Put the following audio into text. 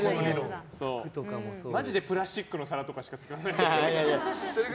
マジでプラスチックの皿しか使わないもんね。